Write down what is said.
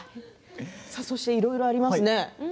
そして、いろいろありますね。